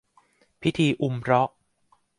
พิธีอุมเราะห์